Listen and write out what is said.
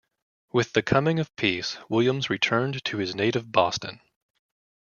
With the coming of peace, Williams returned to his native Boston.